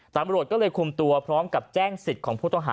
ตำรวจก็เลยคุมตัวพร้อมกับแจ้งสิทธิ์ของผู้ต้องหา